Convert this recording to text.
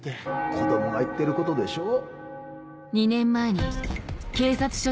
子供が言ってることでしょう